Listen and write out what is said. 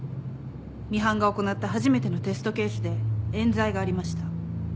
ミハンが行った初めてのテストケースで冤罪がありました。